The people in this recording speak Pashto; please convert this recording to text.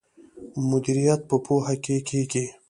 مدیریت په پوهه کیږي.